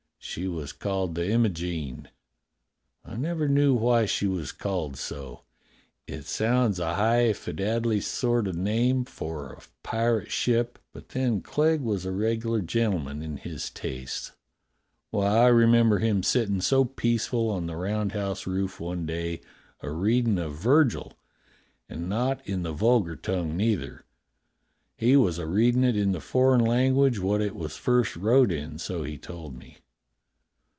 She was called the Imogene. I never knew why she was called so. It sounds a high fiddaddley sort o' name for a pirate ship, but then Clegg was a regular gentleman in his tastes. Why, I remember him sittin' so peaceful on the roundhouse roof one day a readin' of Virgil — and not in the vulgar tongue, neither. He was a readin' it in the foreign language wot it was first wrote in, so he told me.